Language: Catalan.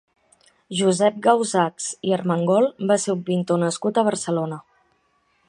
Josep Gausachs i Armengol va ser un pintor nascut a Barcelona.